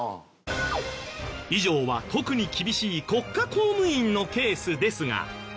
以上は特に厳しい国家公務員のケースですが。